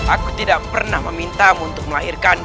aku tidak pernah memintamu untuk melahirkan